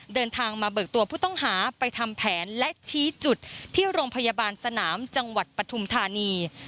เดินทางมาเบิกตัวผู้ต้องหาไปทำแผนและชี้จุดที่โรงพยาบาลสนามจังหวัดปฐุมธานี